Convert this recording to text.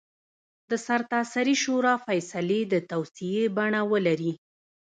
د سرتاسري شورا فیصلې د توصیې بڼه ولري.